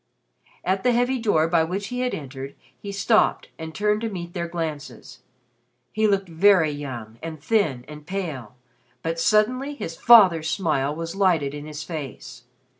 At the heavy door by which he had entered, he stopped and turned to meet their glances. He looked very young and thin and pale, but suddenly his father's smile was lighted in his face.